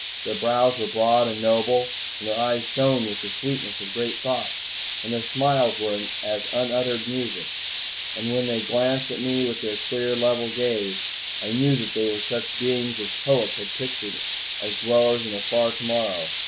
Their brows were broad and noble, and their eyes shone with the sweetness of great thoughts, and their smiles were as unuttered music; and when they glanced at me with their clear, level gaze, I knew that they were such beings as poets had pictured as dwellers in a far tomorrow.